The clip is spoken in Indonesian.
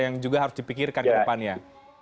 yang juga harus dipikirkan ke depannya